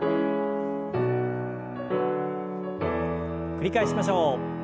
繰り返しましょう。